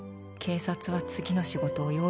「警察は次の仕事を」